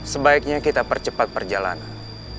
sebaiknya kita percepat perjalanan